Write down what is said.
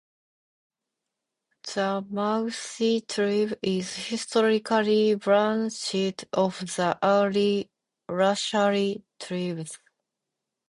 The Magsi tribe is historically branched off the early Lashari tribes.